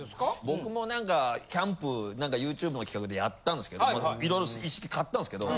僕も何かキャンプ何かＹｏｕＴｕｂｅの企画でやったんですけど色々一式買ったんすけど。